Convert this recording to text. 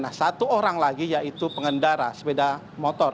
nah satu orang lagi yaitu pengendara sepeda motor